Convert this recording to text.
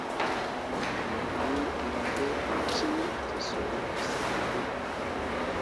Mo ge na fyee uul ciŋ tǝsoole sər mana.